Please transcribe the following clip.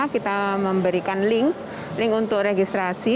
kita memberikan link link untuk registrasi